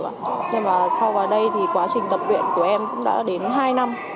nhưng mà sau vào đây thì quá trình tập luyện của em cũng đã đến hai năm